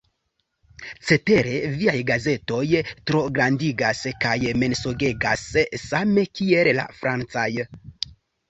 Cetere viaj gazetoj trograndigas kaj mensogegas same kiel la francaj.